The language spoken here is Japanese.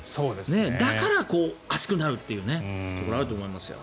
だから熱くなるというところはあると思いますよ。